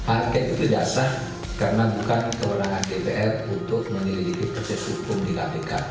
angket itu jasah karena bukan kewenangan dpr untuk meniliki proses hukum di kpk